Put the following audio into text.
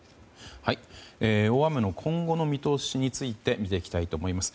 大雨の今後の見通しについて見ていきたいと思います。